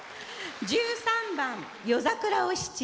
１３番「夜桜お七」。